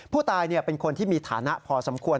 ผู้ตายเป็นคนที่มีฐานะพอสมควร